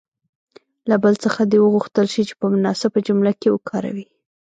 له بل څخه دې وغوښتل شي چې په مناسبه جمله کې وکاروي.